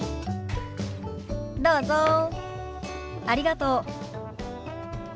ありがとう。